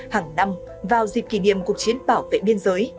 hàng năm vào dịp kỷ niệm cuộc chiến bảo vệ biên giới